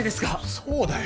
そうだよ。